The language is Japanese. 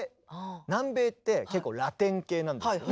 南米って結構ラテン系なんですよね。